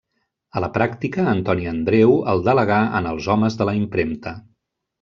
A la pràctica, Antoni Andreu el delegà en els homes de la impremta.